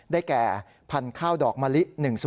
แก่พันธุ์ข้าวดอกมะลิ๑๐